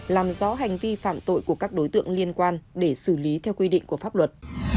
làm rõ hành vi phạm tội của các đối tượng liên quan để xử lý theo quy định của pháp luật